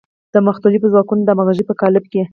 د مختلفو ځواکونو د همغږۍ په قالب کې.